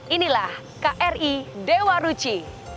inilah kri dewa ruchi